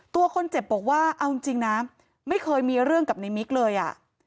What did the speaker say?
ตัวคนเจ็บบอกว่าเอาจริงนะไม่เคยมีเรื่องกับในมิกเลยอ่ะ